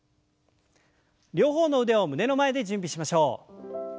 両方の腕を胸の前で準備しましょう。